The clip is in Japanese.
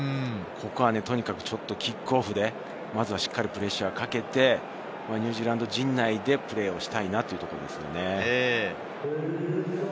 とにかくキックオフで、まずしっかりプレッシャーをかけて、ニュージーランド陣内でプレーをしたいなというところですよね。